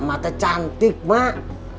emak teh cantik mak